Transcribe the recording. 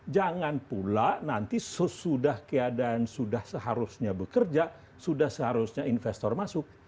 jangan pula nanti sesudah keadaan sudah seharusnya bekerja sudah seharusnya investor masuk